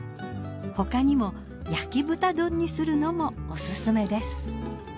他にも焼豚丼にするのもオススメです。